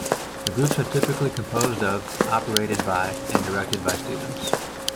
The groups are typically composed of, operated by, and directed by students.